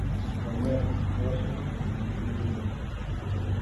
Mamayqa phawachkasqas musquyninpi.